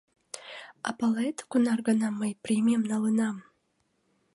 А палет, кунар гана мый премийым налынам?